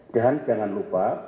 dan jangan lupa